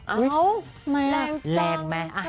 อ้าวแรงจัง